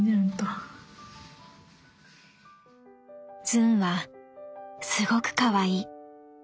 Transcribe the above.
「ズンはすごくかわいい。